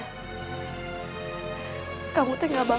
kamu gak bakal nyanyiin kepercayaan mama